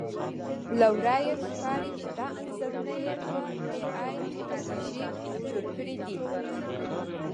له ورایه ښکاري چې دا انځورونه یې په اې ائ ټکنالوژي جوړ کړي دي